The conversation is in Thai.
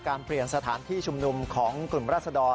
เปลี่ยนสถานที่ชุมนุมของกลุ่มราศดร